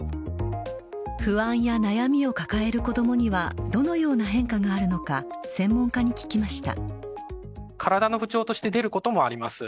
不安や悩みを抱える子供にはどのような変化があるのか専門家に聞きました。